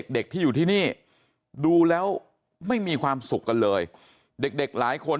เด็กที่อยู่ที่นี่ดูแล้วไม่มีความสุขกันเลยเด็กหลายคน